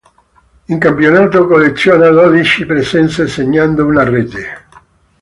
In campionato colleziona dodici presenze segnando una rete.